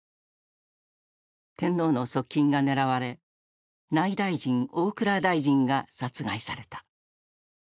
天皇の側近が狙われ内大臣大蔵大臣が殺害された。